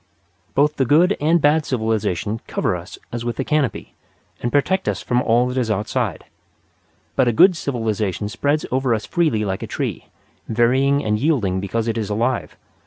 Both the good and bad civilization cover us as with a canopy, and protect us from all that is outside. But a good civilization spreads over us freely like a tree, varying and yielding because it is alive.